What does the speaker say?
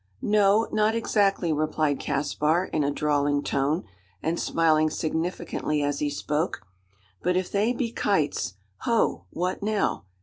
"No not exactly," replied Caspar, in a drawling tone, and smiling significantly as he spoke; "but if they be kites Ho! what now?"